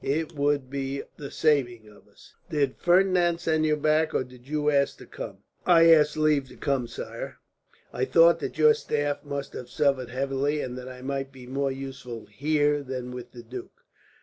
It would be the saving of us. "Did Ferdinand send you back, or did you ask to come?" "I asked leave to come, sire. I thought that your staff must have suffered heavily, and that I might be more useful here than with the duke."